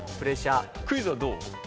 クイズはどう？